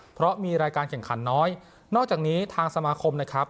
เพราะมีรายการแข่งขันน้อยนอกจากนี้ทางสมาคมนะครับ